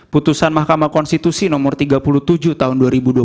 putusan mahkamah konstitusi nomor tiga puluh tujuh tahun dua ribu dua puluh